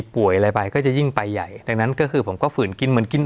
ป่วยอะไรไปก็จะยิ่งไปใหญ่ดังนั้นก็คือผมก็ฝืนกินเหมือนกิน